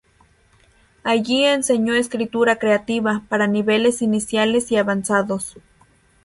Allí enseñó escritura creativa para niveles iniciales y avanzados.